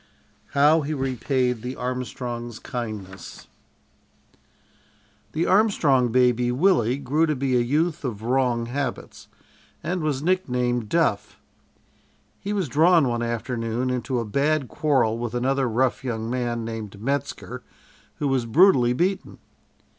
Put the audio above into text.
HOW HE REPAID THE ARMSTRONGS' KINDNESS The Armstrong baby, Willie, grew to be a youth of wrong habits, and was nicknamed "Duff." He was drawn, one afternoon, into a bad quarrel with another rough young man, named Metzker, who was brutally beaten.